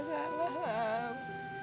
lu gak salah lam